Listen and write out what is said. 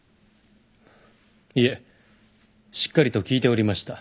いえしっかりと聴いておりました。